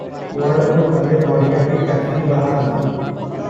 କୁଆଡକୁ ଗଲେ ବଡ଼ିଆଟି କାଖେଇ ବାହାରନ୍ତି ।